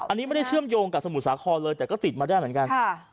อันนี้ไม่ได้เชื่อมโยงกับสมุทรสาครเลยแต่ก็ติดมาได้เหมือนกัน